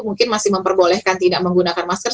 mungkin masih memperbolehkan tidak menggunakan masker